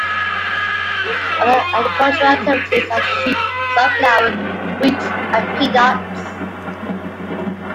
Other agricultural activities are sheep, sunflower, wheat and peanuts.